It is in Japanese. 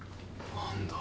何だ？